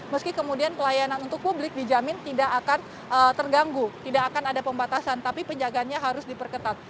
meski kemudian pelayanan untuk publik dijamin tidak akan terganggu tidak akan ada pembatasan tapi penjagaannya harus diperketat